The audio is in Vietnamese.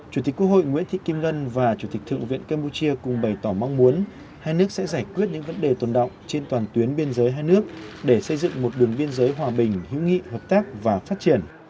chủ tịch quốc hội nguyễn thị kim ngân và chủ tịch thượng viện campuchia cùng bày tỏ mong muốn hai nước sẽ giải quyết những vấn đề tồn động trên toàn tuyến biên giới hai nước để xây dựng một đường biên giới hòa bình hữu nghị hợp tác và phát triển